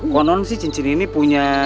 konon sih cincin ini punya